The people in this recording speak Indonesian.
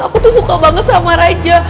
aku tuh suka banget sama raja